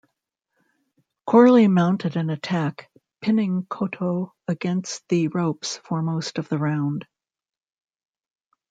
Corley mounted an attack, pinning Cotto against the ropes for most of the round.